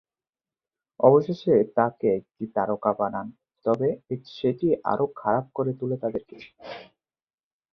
অবশেষে তাকে একটি তারকা বানান, তবে সেটি আরও খারাপ করে তোলে তাদের কে।